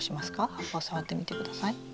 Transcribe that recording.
葉っぱを触ってみてください。